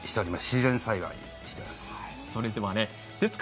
自然栽培しています。